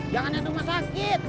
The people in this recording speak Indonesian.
jangan ya di rumah sakit